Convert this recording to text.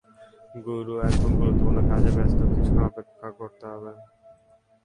গুরু এখন গুরুত্বপূর্ণ কাজে ব্যাস্ত, কিছুক্ষণ অপেক্ষা করতে হবে।